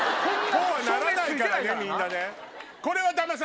こうはならないからねみんなね！